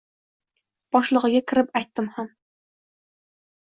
Boshlig‘iga kirib aytdim ham.